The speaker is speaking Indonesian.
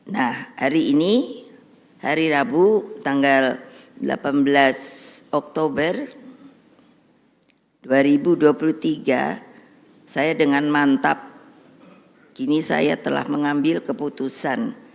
nah hari ini hari rabu tanggal delapan belas oktober dua ribu dua puluh tiga saya dengan mantap kini saya telah mengambil keputusan